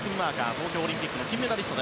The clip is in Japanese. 東京オリンピックの銀メダリスト。